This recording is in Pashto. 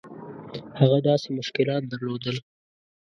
هغه داسې مشکلات درلودل.